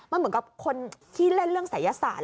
มันเหมือนกับคนที่เล่นเรื่องศัยศาสต